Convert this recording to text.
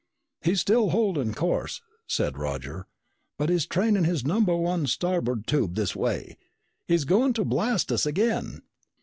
"He's still holding course," said Roger. "But he's training his number one starboard tube this way. He's going to blast us again!"